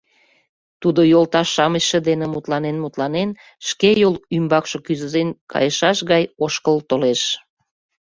Тудо йолташ-шамычше дене мутланен-мутланен, шке йол ӱмбакше кӱзен кайышаш гай ошкыл толеш.